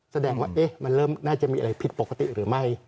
แสดงว่ามันเริ่มน่าจะมีอะไรผิดปกติหรือไม่